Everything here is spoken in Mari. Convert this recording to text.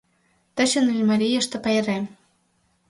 Таче Нольмарийыште пайрем.